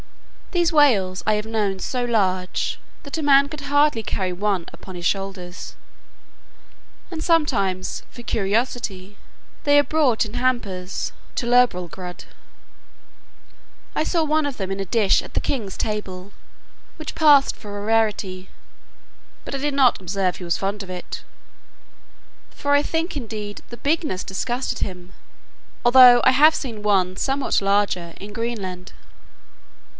These whales I have known so large, that a man could hardly carry one upon his shoulders; and sometimes, for curiosity, they are brought in hampers to Lorbrulgrud; I saw one of them in a dish at the king's table, which passed for a rarity, but I did not observe he was fond of it; for I think, indeed, the bigness disgusted him, although I have seen one somewhat larger in Greenland.